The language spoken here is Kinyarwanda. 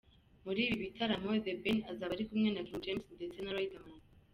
Muri ibi bitaramo, The Ben azaba ari kumwe na King James ndetse na Riderman.